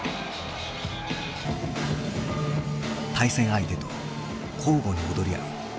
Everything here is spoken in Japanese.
対戦相手と交互に踊り合う。